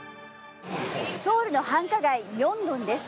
ソウルの繁華街ミョンドンです。